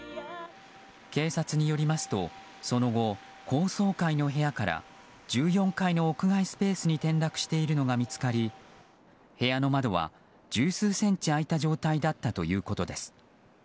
警察によりますとその後、高層階の部屋から１４階の屋外スペースに転落しているのが見つかり部屋の窓は十数センチ開いた状態だったということです。